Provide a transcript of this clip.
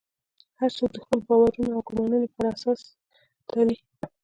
هر څوک د خپلو باورونو او ګومانونو پر اساس تلي.